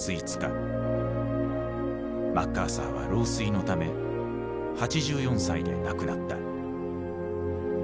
マッカーサーは老衰のため８４歳で亡くなった。